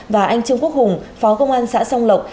và anh trương quốc hùng phó công an xã song lộc